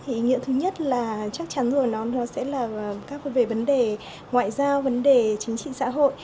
ý nghĩa thứ nhất là chắc chắn rồi nó sẽ là về vấn đề ngoại giao vấn đề chính trị xã hội